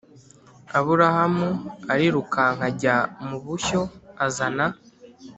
Aburahamu arirukanka ajya mu bushyo azana